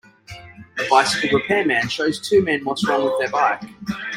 A bicycle repairman shows two men what was wrong with their bike.